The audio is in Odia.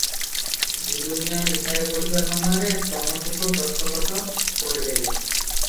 ଦିଲୁମିଆଁ ନିଶାରେ ପଡ଼ିଥିବା ସମୟରେ ତମସୁକ ଦସ୍ତଖତ କରିଦେଲେ ।